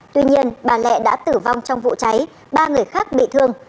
tuy nhiên bà lẹ đã tử vong trong vụ cháy ba người khác bị thương